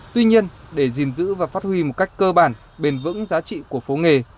tuy nhiên để gìn giữ và phát huy một cách cơ bản bền vững giá trị của phố nghề